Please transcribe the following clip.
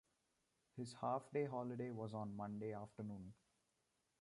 His half-day holiday was on Monday afternoon.